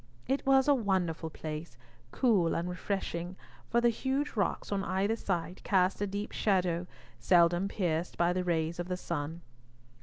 It was a wonderful place, cool and refreshing, for the huge rocks on either side cast a deep shadow, seldom pierced by the rays of the sun.